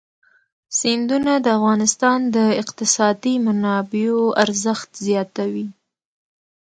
سیندونه د افغانستان د اقتصادي منابعو ارزښت زیاتوي.